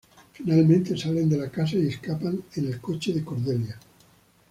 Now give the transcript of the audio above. Finalmente, salen de la casa y escapan en el coche de Cordelia.